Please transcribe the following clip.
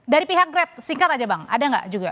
dari pihak grab singkat aja bang ada nggak juga